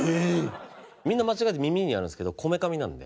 みんな間違えて耳にやるんですけどこめかみなので。